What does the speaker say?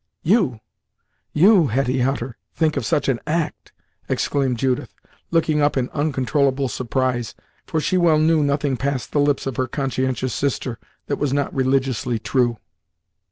"You! You, Hetty Hutter, think of such an act!" exclaimed Judith, looking up in uncontrollable surprise, for she well knew nothing passed the lips of her conscientious sister, that was not religiously true.